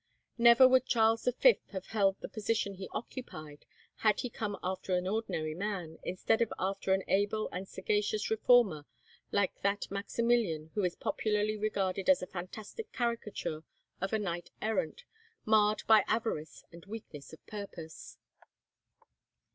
Never would Charles V. have held the position he occupied had he come after an ordinary man, instead of after an able and sagacious reformer like that Maximilian who is popularly regarded as a fantastic caricature of a knight errant, marred by avarice and weakness of purpose.